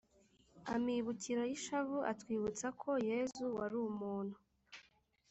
amibukiro y’ishavu: atwibutsa ko yezu wari umuntu